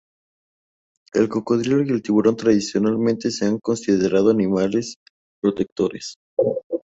El cocodrilo y el tiburón tradicionalmente se han considerado animales protectores.